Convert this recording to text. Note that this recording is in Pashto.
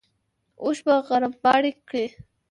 اوښ به غرمباړې کړې.